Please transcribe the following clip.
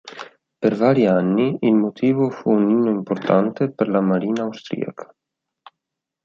Per vari anni il motivo fu un inno importante per la Marina Austriaca.